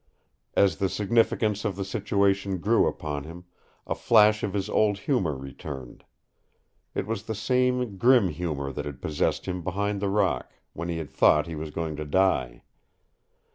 As the significance of the situation grew upon him, a flash of his old humor returned. It was the same grim humor that had possessed him behind the rock, when he had thought he was going to die.